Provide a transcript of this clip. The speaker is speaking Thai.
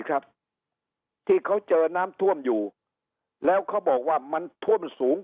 ครับที่เขาเจอน้ำท่วมอยู่แล้วเขาบอกว่ามันท่วมสูง